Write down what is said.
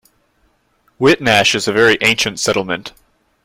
Whitnash is a very ancient settlement.